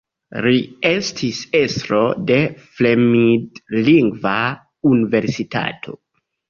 Li estis estro de Fremdlingva Universitato.